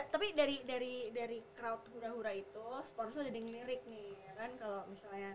tapi dari crowd hura hura itu sponsor jadi ngelirik nih